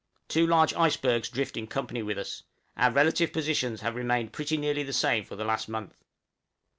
Two large icebergs drift in company with us; our relative positions have remained pretty nearly the same for the last month.